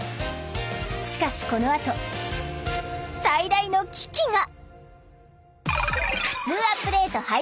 しかしこのあと最大の危機が。